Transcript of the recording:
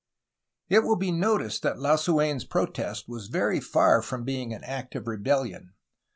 It will be noticed that Lasu^n's protest was very far from being an act of rebellion.